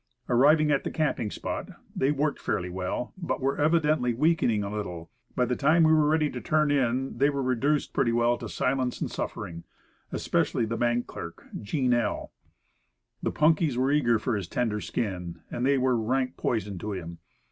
Arriving at the camping spot, they worked fairly well, but were evidently weaken ing a little. By the time we were ready to turn in they were reduced pretty well to silence and suffering especially the bank clerk, Jean L. The punkies were eager for his tender skin, and they were rank poison to him.